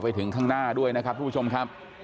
ไปถึงข้างหน้าด้วยนะครับทุกผู้ชมครับ